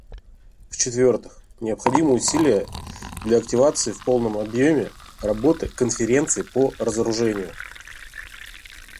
В-четвертых, необходимы усилия для активизации в полном объеме работы Конференции по разоружению.